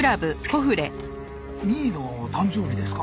美依の誕生日ですか。